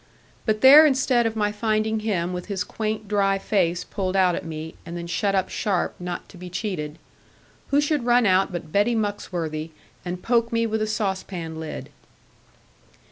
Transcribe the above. But there instead of my finding him with his quaint dry face pulled out at me, and then shut up sharp not to be cheated who should run out but Betty Muxworthy, and poke me with a saucepan lid.